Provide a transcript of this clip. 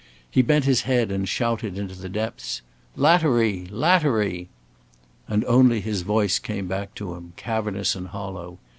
He bent his head and shouted into the depths: "Lattery! Lattery!" And only his voice came back to him, cavernous and hollow.